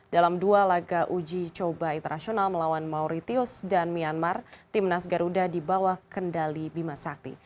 dalam dua laga uji coba internasional melawan mauritius dan myanmar tim nas garuda dibawah kendali bima sakti